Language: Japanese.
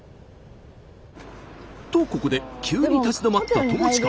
とここで急に立ち止まった友近。